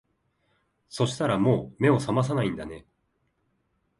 そしたらもう目を覚まさないんだね